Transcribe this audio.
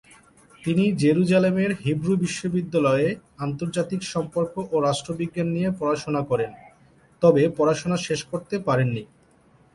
তিনি জেরুজালেমের হিব্রু বিশ্ববিদ্যালয়ে আন্তর্জাতিক সম্পর্ক ও রাষ্ট্রবিজ্ঞান নিয়ে পড়াশোনা করেন, তবে পড়াশোনা শেষ করতে পারেননি।